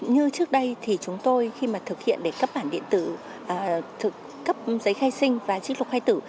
như trước đây thì chúng tôi khi mà thực hiện để cấp bản điện tử cấp giấy khai sinh và trích lục khai tử